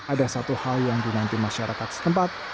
ada satu hal yang dinanti masyarakat setempat